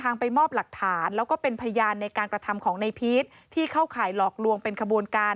ซึ่งก็จะมอบหรือสิทธิ์แล้วก็เป็นพยานในการกระทำของในพีทที่เข้าข่ายหลอกลวงเป็นขบวนการ